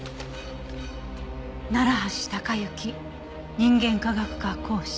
「楢橋高行人間科学科講師」。